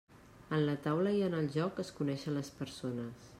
En la taula i en el joc es coneixen les persones.